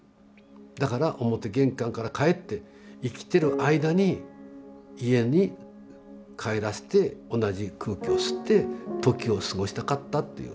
だから表玄関から帰って生きてる間に家に帰らせて同じ空気を吸って時を過ごしたかったっていう。